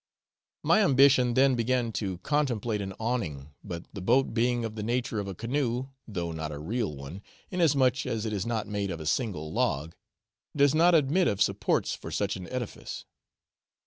My ambition then began to contemplate an awning, but the boat being of the nature of a canoe though not a real one, inasmuch as it is not made of a single log does not admit of supports for such an edifice.